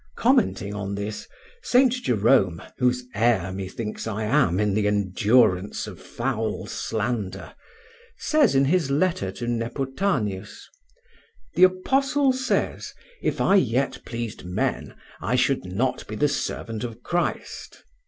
Commenting on this, St. Jerome, whose heir methinks I am in the endurance of foul slander, says in his letter to Nepotanius: "The apostle says: 'If I yet pleased men, I should not be the servant of Christ.'